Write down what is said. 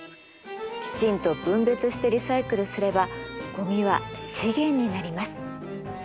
きちんと分別してリサイクルすればごみは資源になります。